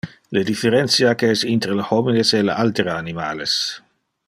Le differentia que es inter le homines e le altere animales.